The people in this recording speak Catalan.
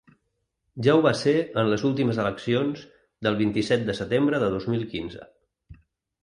Ja ho va ser en les últimes eleccions del vint-i-set de setembre de dos mil quinze.